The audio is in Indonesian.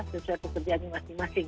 sesuai pekerjaannya masing masing